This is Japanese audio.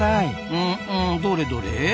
ううんどれどれ？